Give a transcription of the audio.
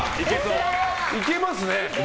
いけますね！